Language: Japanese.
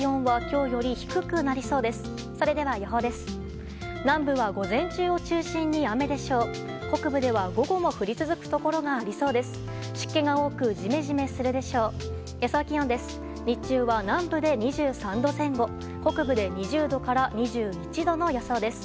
日中は南部で２３度前後北部で２０度から２１度の予想です。